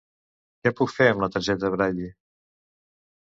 Què puc fer amb la targeta Braille?